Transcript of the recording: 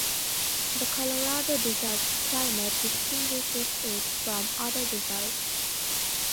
The Colorado Desert's climate distinguishes it from other deserts.